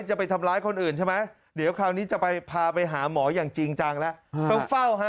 จะไปทำร้ายคนอื่นใช่ไหมเดี๋ยวคราวนี้จะไปพาไปหาหมออย่างจริงจังแล้วต้องเฝ้าฮะ